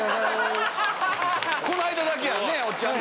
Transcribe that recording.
この間だけやね、おっちゃんね。